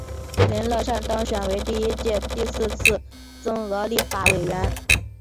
林乐善当选为第一届第四次增额立法委员。